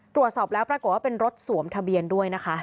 ตรวจสอบแล้วปรากฏว่าเป็นรถสวมทะเบียนด้วยนะคะ